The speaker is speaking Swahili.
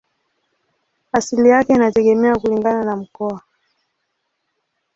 Asili yake inategemea kulingana na mkoa.